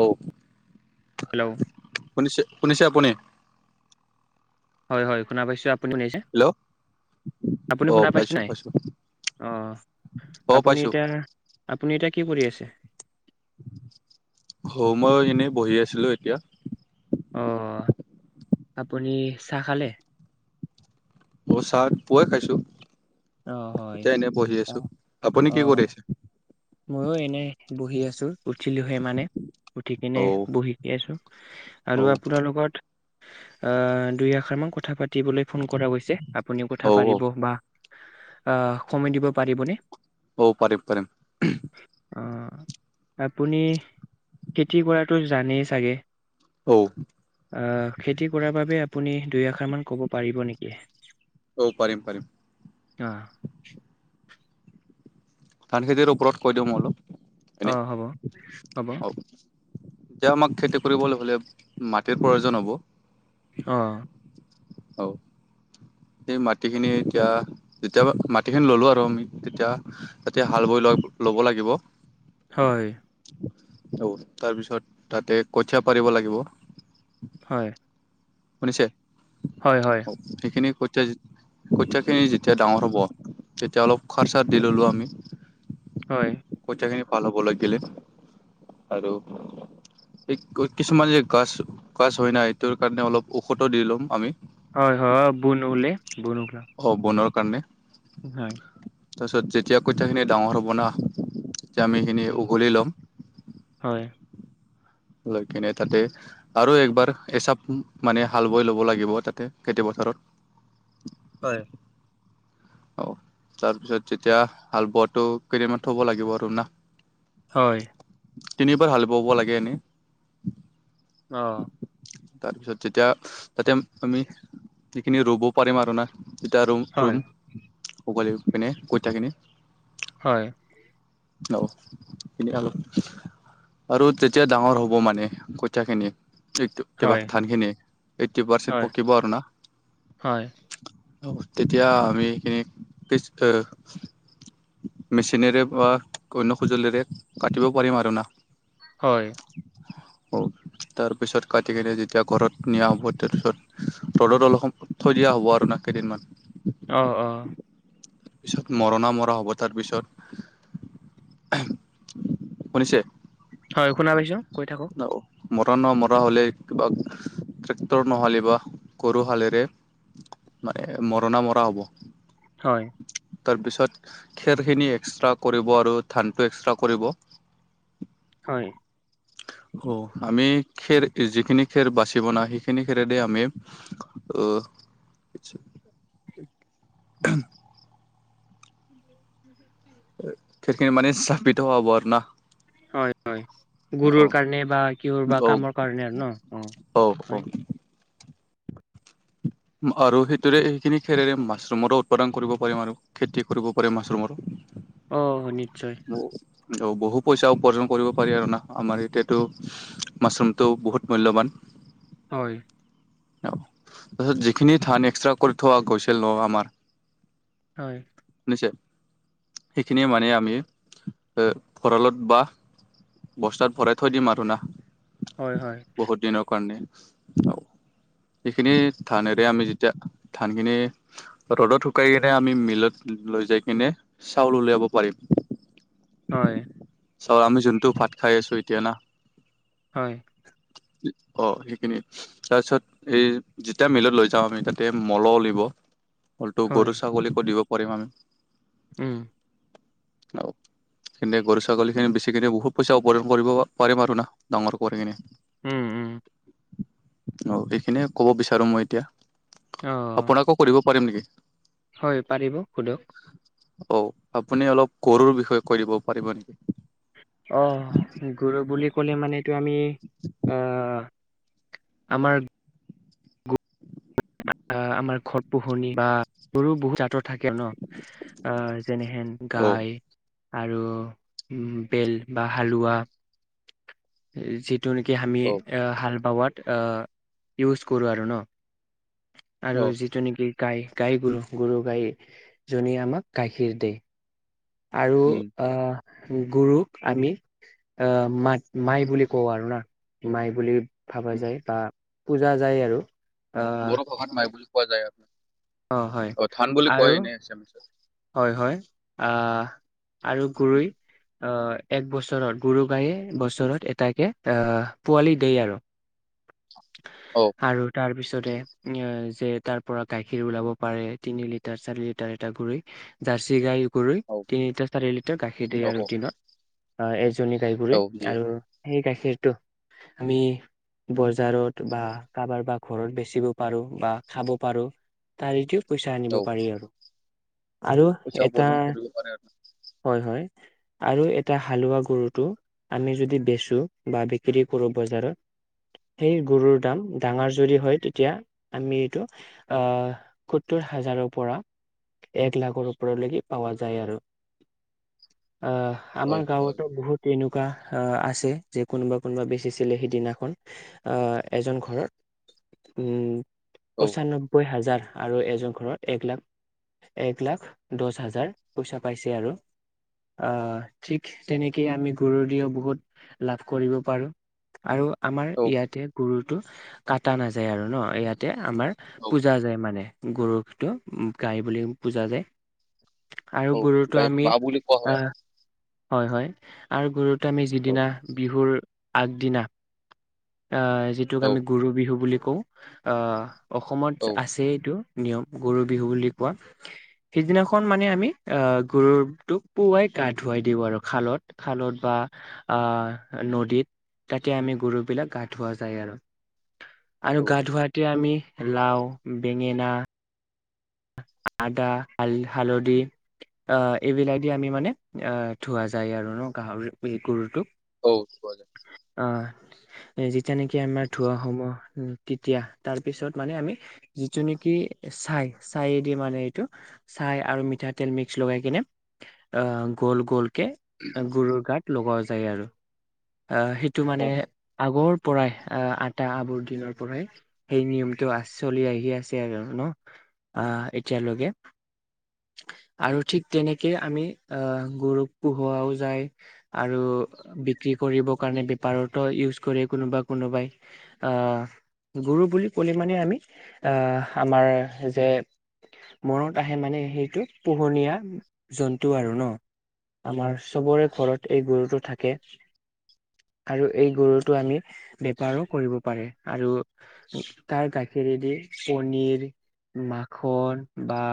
অ hello শুনিছে শুনিছে আপুনি? হয় হয় শুনা পাইছোঁ আপুনি শুনিছে? হেল্ল' আপুনি অ শুনা পাইছে পাইছো নাই পাইছো অ অ আপুনি পাইছো এতিয়া আপুনি এতিয়া, কি কৰি আছে? হ মই এনেই বহি আছিলো এতিয়া। আহ আপুনি চাহ খালে? অ চাহ পুৱাই খাইছো। অ হয় এতিয়া এনে বহি আছো। আপুনি কি কৰি আছে? মইয়ো এনেই বহি আছো। উঠিলোহে মানে উঠি কিনে অ বহি কি আছো। অ আৰু আপোনাৰ লগত আহ দুই এষাৰ মান কথা পাতি পাতিবলৈ ফোন কৰা গৈছে। আপুনি অ কথা অ পাতিব বা আহ সময় দিব পাৰিবনে? অ পাৰিম পাৰিম। অ আপুনি খেতি কৰাটো জানেই চাগে। অ। আহ খেতি কৰাৰ বাবে আপুনি দুইআষাৰ মান ক'ব পাৰিব নেকি? অ পাৰিম পাৰিম। আহ ধান খেতিৰ ওপৰত কৈ দিওঁ মই অলপ। অ এনে হ'ব হ'ব অ এতিয়া আমাক খেতি কৰিবলৈ হ'লে মাটিৰ প্ৰয়োজন হ'ব। আহ হ [inaudible] সেই মাটিখিনি এতিয়া, যেতিয়া মাটিখিনি ললো আৰু আমি তেতিয়া তাতে হাল বৈ লোৱা- লব লাগিব। হয় অ তাৰপিছত তাতে কঠীয়া পাৰিব লাগিব। হয় শুনিছে? হয় হয় সেইখিনিয়ে। তেতিয়া কঠীয়াখিনি যেতিয়া ডাঙৰ হ'ব, তেতিয়া অলপ খৰচাৰ দি ল'লোঁ আমি। হয় কঠীয়াখিনি ভাল হ বলৈ গলে। আৰু এই কিছুমান যে গাছ গছ হয় নাই এইটোৰ কাৰণে অলপ ঔষধ দি ল'ম আমি। হয় হয় বোন ওলে বনালো। অ বনৰ কাৰণে তাৰপিছত যেতিয়া কঠয়াখিনি ডাঙৰ হ'ব না। যেমিখিনি উম উঘলি ল'ম। হয় লৈ কিনে তাতে আৰু একবাৰ এচাপ মানে হাল বৈ ল'ব লাগিব তাতে খেতি পথাৰ। পথাৰত। হয় অ তাৰপিছত তেতিয়া হাল বোৱাটো কেইদিনামান থব লাগিব আৰু না। হয়। তিনিবাৰ হাল বাব লাগে এনেই? আহ। তাৰপিছত যেতিয়া তাতে আমি সেইখিনি ৰুব পাৰিম আৰু না। দু হয় ৰুম সকলি কেনে কইতাখিনি। হয় অিন আৰু তেতিয়া ডাঙৰ হ'ব মানে কঠীয়াখিনি। এই কিবা হয় ধান খিনি এইটটি পাৰ্চেণ্ট হয় পকিব আৰু না। হয় তেতিয়া আমি সেইখিনি? মেচিনেৰে বা অন্য সঁজুলিৰে কাটিব পাৰিম আৰু না। হয় হয়। তাৰপিছত কাটি কনেি যেতিয়া ঘৰত নিয়া হ'ব তাৰপিছত ৰ'দত অলপ সম থৈ দিয়া হ'ব আৰু ন। কেইদিনমান? অ অ। তাৰ পিছত মৰণা মৰা হ'ব তাৰপিছত? সোনিছে? হয় শুনা পাইছো কৈ থাকক। মৰা ন মৰা হ'লে কিবা ট্ৰেক্টৰ নহ'লে বা গৰুহালেৰে? মানে মৰণা মৰা হ'ব। হয়। তাৰপিছত খেৰখিনি এক্সট্ৰা কৰিব আৰু ধানটো এক্সট্ৰা কৰিব। হয় আমি খেৰ যিখিনি খেৰ বাচিব ন সেইখিনি খেৰেদি আমি। আছা উম। খখিনি মানে চফিত হব আৰু না। হয় হয় অ গুৰুৰ কাৰণে বা কিহৰ বা অ কাম কাৰণে আৰু ন অ অ অ হয়। আৰু সেইটোৰে সেইখিনি খেৰেৰে মাছৰুমৰো উৎপাদন কৰিব পাৰিম আৰু খেতি কৰিব পাৰি মাছৰুমৰো? অহ নিশ্চয়। বহু পইচা উপাৰ্জন কৰিব পাৰি আৰু না আমাৰ এতিয়াতো মাছৰুমটো বহুত মূল্যৱান? হয় তাৰছত যিখিনি ধান এক্সট্ৰা কৰি থোৱা গৈছিল ন আমাৰ। হয় সেইখিনিয়ে মানে আমি ভঁৰালত বা বস্তাত ভৰাই থৈ দিম আৰু না। হয় হয় বহুত দিনৰ কাৰণে সেইখিনি ধানেৰে আমি যেতিয়া ধানখিনি ৰ'দত শুকাই কিনে আমি মিলত লৈ যাই কিনে। চাউল উলিয়াব পাৰিম? হয় চাও আমি যোনটো ভাত খাই আছো এতিয়া না। হয় অ সেইখিনি তাৰপিছত এই যে এতিয়া মিলত লৈ যাম আমি তাতে মল উলিব মলটো হয় গৰু ছাগলীকো দিব পাৰিম আমি? উম সেনে গৰু ছাগলীখিনি বেছিকিনে বহুত পইচা উপৱাৰ্জন কৰিব পাৰিম আৰু না ডাঙৰ কৰি কিনে। উম উম অ সেইখিনিয়ে ক'ব বিচাৰো মই এতিয়া অ আপোনাকো কৰিব পাৰিম নেকি হয় পাৰিব সোধক অ আপুনি অলপ গৰুৰ বিষয়ে কৈ দিব পাৰিব নেকি অ গৰু বুলি ক'লে মানে এইটো আমি অহ আমাৰ আমাৰ ঘৰ পোহনি বা গৰু বহুত আতৰত থাকেও ন আহ এনেহেন অ গাই আৰু উ বেল বা হালোৱা যি যিটো নেকি আমি অ হাল বাৱাত আ ইউজ কৰোঁ আৰু ন আৰু অ যিটো নেকি গাই গাই গুৰু গুৰু গাইজনীয়ে আমাক গাখীৰ দিয় আৰু উম অ গুৰুক আমি অহ মাত মাই বুলি কওঁ আৰু না মাই বুলি ভাবা যায় বা পূজা যায় আৰু আহ বড়ো ভাষাত নাই বুলি কোৱা যায় আও অ ধান বুলি আৰু কয় এনে আচামিজত হয় হয় আহ আৰু গৰৈ অহ এক বছৰত গুৰু গায়ে বছৰত এটাকে আহ পোৱালি দিয় আৰু অ আৰু তাৰ পিছতে এ যে তাৰ পৰা গাখীৰ ওলাব পাৰে তিনি লিটাৰ চাৰি লিটাৰ এটা গুৰি জাৰ্চি গাই গৰুই অ তিনি লিটাৰ চাৰি লিটাৰ গাখীৰ অ দিয়াৰ অ ৰুটিনত গুৰি অ দিয়ে আৰু সেই গাখীৰতটো আমি বজাৰত বা কাৰোবাৰ বা ঘৰত বেচিব পাৰো বা খাব পাৰো তাৰেটো পইচা আনিব অ পাৰি আৰু আৰু পইচা এটা উপাৰ্জন কৰিব পাৰে আৰু হয় হয় আৰু এটা হালোৱা গৰুটো আমি যদি বেচো বা বিক্ৰী কৰো বজাৰত সেই গৰুৰ দাম ডাঙৰ যদি হয় তেতিয়া আমি এইটো আহ সত্তৰ হাজাৰ পৰা এক লাখৰ ওপৰত লৈকে পাৱা যায় আৰু অ অ আমাৰ অ গাঁৱতো বহুত এনেকুৱা। আহ আছে যে কোনোবা কোনোবা বেচিছিলে সিদিনাখন। আহ এজন ঘৰত উম অ পচাননব্বৈ হাজাৰ। আৰু এজন ঘৰত এক লাখ এক লাখ দহ হাজাৰ পইচা পাইছে আৰু আহ ঠিক তেনেকেই আমি গুৰু দিও বহুত লাভ কৰিব পাৰো। [unintelligible] ইয়াতে গুৰুতটো কাটা নাযায় আৰু ন ইয়াতে আমাৰ অ পূজা যায় মানে। গৰুক্ষিত গাই বুলি পুজা যায়। আৰু অ গৰুটো গাইক আমি মা বুলি কোৱা হয় আহ। আমাৰ হয় হয় আৰু গৰুত আমি অ যিদিনা বিহুৰ আগদিনা। যিটোক অ আমি গৰু বিহু বুলি কওঁ অ অসমত আছে এইটো। নিয়ম গৰু বিহু বুলি কোৱা সিদিনাখন মানে আমি আহ গৰুটোক পুৱাই। গা ধুৱাই দিওঁ আৰু খালত খালত বা আ নদীত। তাতে আমি গৰু বিলাক গা ধৱা যায় আৰু আৰু অ গা ধোৱাতে আমি। লাও বেঙেনা। আদা হাল হালধি। আহ এইবিলাক দি আমি মানে আহ থোৱা যায় আৰু ন গাহৰি গৰুটোক। অ কায়। আহ যেতিয়া নেকি আমাৰ ধোৱা সময়। তেতিয়া তাৰপিছত মানে আমি যিটো নেকি চাই। ছাইয়েদি মানে এইটো ছাই আৰু মিঠাতেল মিক্স লগাই কিনে অ গ'ল গ'ল। কে গৰুৰ গাত লগও যায় আৰু আহ সেইটো মানে অ আগৰ। পৰাই আহ আটা আবৰ দিনৰ পৰাই সেই নিয়মটো আ চলি আহি আছে আৰু ন আহ এতিয়ালৈকে। আৰু ঠিক তেনেকেই আমি আহ গৰুক পোহোৱাও যায় আৰু বিক্ৰী। কি কৰিব কাৰণে বেপাৰতো ইউজ কৰে কোনোবা কোনোবাই আহ। গৰু বুলি ক'লে মানে আমি আহ আমাৰ যে মনত আহে মানে সেইটো পোহনীয়া জন্তু আৰু ন। আমাৰ চবৰে ঘৰত এই গৰুটো থাকে। আৰু এই গৰুটো আমি বেপাৰো কৰিব পাৰে আৰু তাৰ গাখীৰ। কেৰেদি পনীৰ মাখন বা।